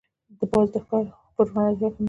باز د ښکار پر وړاندې رحم نه لري